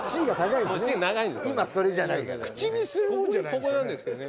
ここなんですけどね